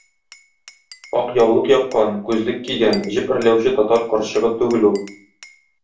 Ак яулык япкан, күзлек кигән, җеп эрләүче татар карчыгы түгел ул.